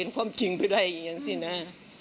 ความจริงไปได้อย่างนั้นสินะ